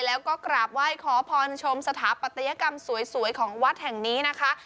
แล้วก็กราบไหว้ขอพรชมสถาปัตยกรรมสวยของวัดแห่งนี้นะคะ